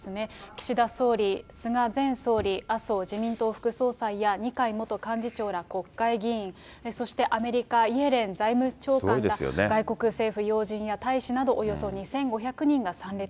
岸田総理、菅前総理、麻生自民党副総裁や二階元幹事長ら国会議員、そしてアメリカ、イエレン財務長官や外国政府要人や大使など、およそ２５００人が参列。